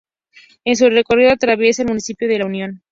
En su recorrido atraviesa el municipio de La Unión.